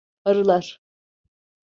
Arılar.